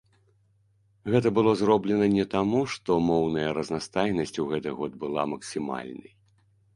Гэта было зроблена не таму, што моўная разнастайнасць у гэты год была максімальнай.